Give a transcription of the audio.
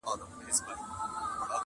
o دا کيسه تل پوښتنه پرېږدي,